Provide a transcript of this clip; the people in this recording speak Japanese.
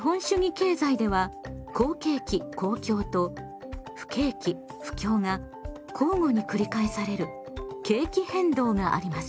経済では好景気と不景気が交互に繰り返される景気変動があります。